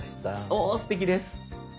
おすてきです。